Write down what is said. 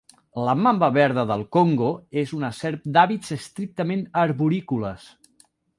La mamba verda del Congo és una serp d'hàbits estrictament arborícoles.